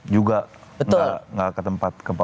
juga nggak ke tempat